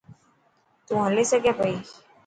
تون هلي سگھي پئي.